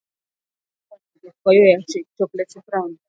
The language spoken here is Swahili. Chanzo hakijabainika